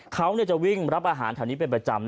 เขาจะวิ่งรับอาหารแถวนี้เป็นประจำ